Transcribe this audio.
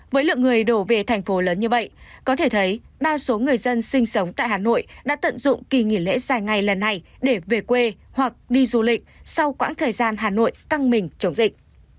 với lượng người đổ về thành phố lớn như vậy có thể thấy đa số người dân sinh sống tại hà nội đã tận dụng kỳ nghỉ lễ dài ngày lần này để về quê hoặc đi du lịch sau quãng thời gian hà nội căng mình chống dịch